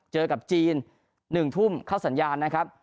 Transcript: เจอกับจีน๑ทุ่มเข้าสัญญาณนะครับ